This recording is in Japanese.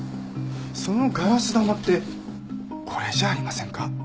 そのガラス玉ってこれじゃありませんか？